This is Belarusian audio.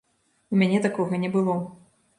У мяне такога не было.